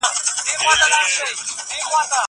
زه کولای سم لوښي وچوم!